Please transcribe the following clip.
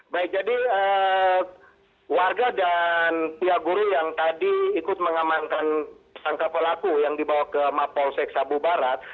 baik jadi warga dan pihak guru yang tadi ikut mengamankan sangka pelaku yang dibawa ke mapolsek sabu barat